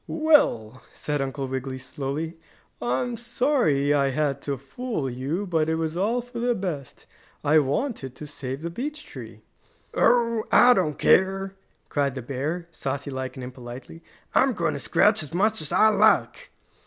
"Well," said Uncle Wiggily slowly, "I'm sorry I had to fool you, but it was all for the best. I wanted to save the beech tree." "Oh, I don't care!" cried the bear, saucy like and impolitely. "I'm going to scratch as much as I like!"